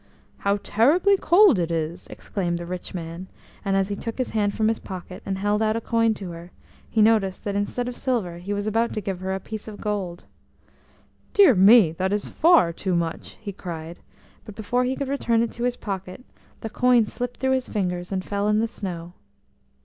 "How terribly cold it is!" exclaimed the rich man, and as he took his hand from his pocket, and held out a coin to her, he noticed that instead of silver he was about to give her a piece of gold. "Dear me! That is far too much," he cried, but before he could return it to his pocket, the coin slipped through his fingers, and fell in the snow.